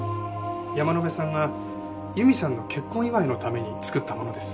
山野辺さんが佑美さんの結婚祝いのために作ったものです。